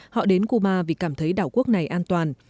họ đến cuba vì cảm thấy đảo quốc này an toàn